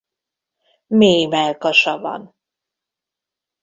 Mély mellkasa van.